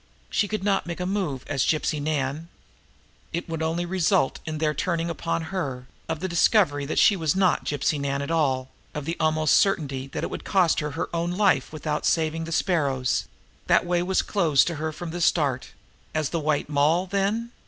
She could not make a move as Gypsy Nan. It would only result in their turning upon her, of the discovery that she was not Gypsy Nan at all, of the almost certainty that it would cost her her own life without saving the Sparrow's. That way was closed to her from the start. As the White Moll, then?